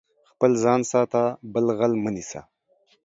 خپل ځان ساته، بل غل مه نيسه.